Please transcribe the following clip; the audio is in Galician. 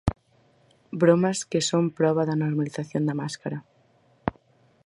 Bromas que son proba da normalización da máscara.